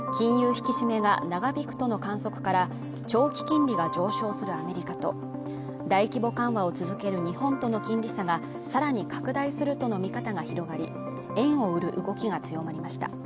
引き締めが長引くとの観測から長期金利が上昇するアメリカと大規模緩和を続ける日本との金利差がさらに拡大するとの見方が広がり円を売る動きが強まりました